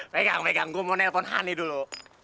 pegang pegang gue mau nelpon honey dulu